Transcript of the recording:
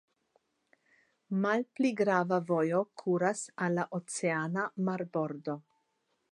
Malpli grava vojo kuras al la oceana marbordo.